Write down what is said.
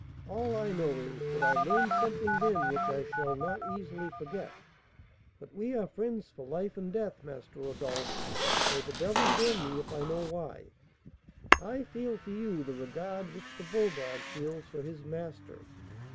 All I know is, that I learned something then which I shall not easily forget. But we are friends for life and death, Master Rodolph, though the devil burn me if I know why. I feel for you the regard which the bulldog feels for his master.